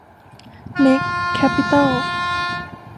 เน็คซ์ แคปปิตอล